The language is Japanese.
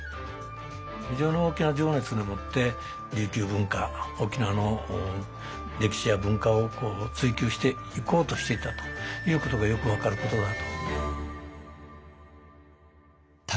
非常に大きな情熱でもって琉球文化沖縄の歴史や文化を追究していこうとしていたということがよく分かることだと。